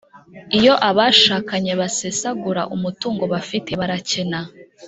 iyo abashakanye basesagura umutungo bafite barakena